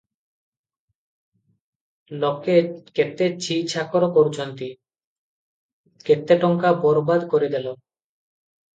ଲୋକେ କେତେ ଛି ଛାକର କରୁଛନ୍ତି, କେତେ ଟଙ୍କା ବରବାଦ କରିଦେଲ!